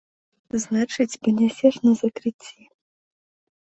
Значыць, панясеш на закрыцці!